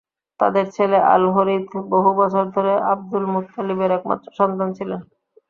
তাদের ছেলে আল-হরিথ বহু বছর ধরে আবদুল-মুত্তালিবের একমাত্র সন্তান ছিলেন।